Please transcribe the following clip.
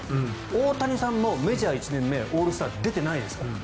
大谷さんもメジャー１年目オールスター出てないですから。